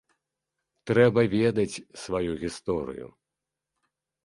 Трэба ведаць сваю гісторыю.